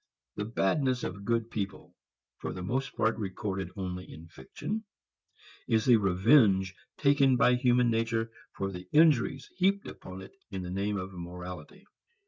The badness of good people, for the most part recorded only in fiction, is the revenge taken by human nature for the injuries heaped upon it in the name of morality.